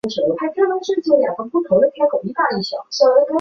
景德镇站位于江西省景德镇市通站路。